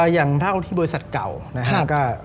อย่างเท่าที่บริษัทเก่านะครับ